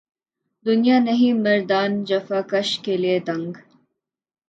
دنیا نہیں مردان جفاکش کے لیے تنگ